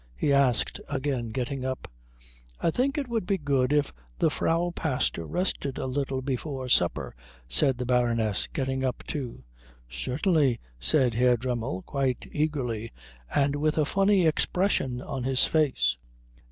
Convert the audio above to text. he asked again, getting up. "I think it would be good if the Frau Pastor rested a little before supper," said the Baroness, getting up, too. "Certainly," said Herr Dremmel, quite eagerly, and with a funny expression on his face.